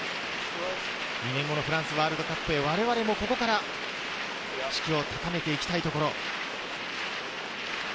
２年後のフランスワールドカップに我々もここから士気を高めていきたいところ。